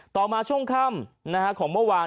ต่อมาช่วงค่ำของเมื่อวาน